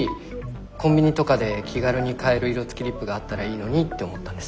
コンビニとかで気軽に買える色つきリップがあったらいいのにって思ったんです。